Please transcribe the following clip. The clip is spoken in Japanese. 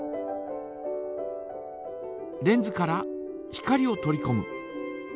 レンズから光を取りこむ。